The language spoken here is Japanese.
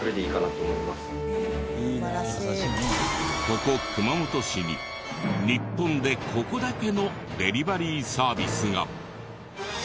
ここ熊本市に日本でここだけのデリバリーサービスが。